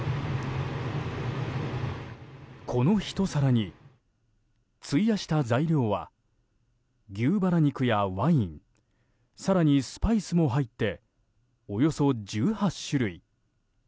このひと皿に費やした材料は牛バラ肉やワイン更にスパイスも入っておよそ１８種類。